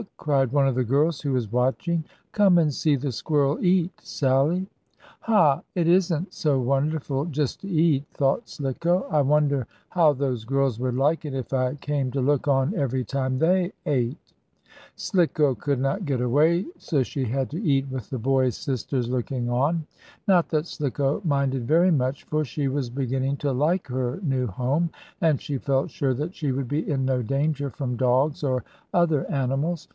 cried one of the girls, who was watching. "Come and see the squirrel eat, Sallie!" "Ha! It isn't so wonderful just to eat," thought Slicko. "I wonder how those girls would like it, if I came to look on every time they ate!" Slicko could not get away, so she had to eat with the boy's sisters looking on. Not that Slicko minded very much, for she was beginning to like her new home, and she felt sure that she would be in no danger from dogs, or other animals.